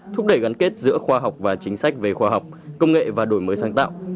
thúc đẩy gắn kết giữa khoa học và chính sách về khoa học công nghệ và đổi mới sáng tạo